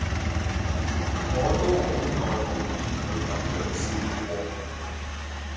我都好耐冇見佢噉樣笑過